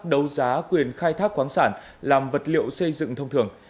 đối tác đấu giá quyền khai thác khoáng sản làm vật liệu xây dựng thông thường